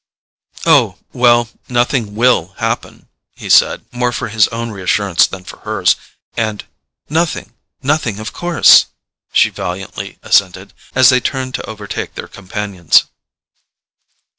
"Oh, well, nothing WILL happen," he said, more for his own reassurance than for hers; and "Nothing, nothing, of course!" she valiantly assented, as they turned to overtake their companions.